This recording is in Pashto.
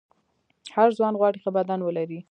هر ځوان غواړي ښه بدن ولري.